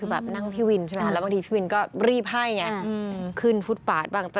บางทีพี่วินก็รีบให้เคินฟุตบาทบ้าง